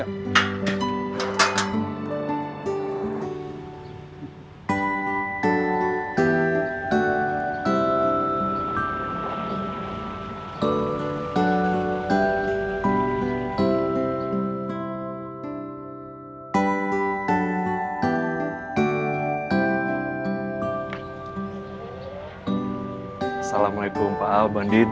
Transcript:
assalamualaikum pak albandin